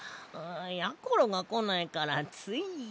やころがこないからつい。